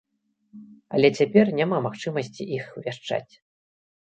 Але цяпер няма магчымасці іх вяшчаць.